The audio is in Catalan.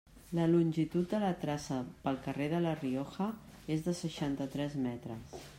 La longitud de la traça pel carrer de La Rioja és de seixanta-tres metres.